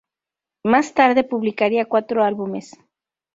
Más tarde publicaría cuatro álbumes.